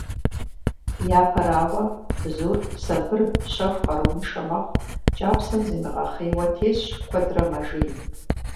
Япэрауэ, бзур сабыр, щэху, къарууншэ мэхъу, кӏапсэм зимыгъэхъейуэ тесщ, куэдрэ мэжей.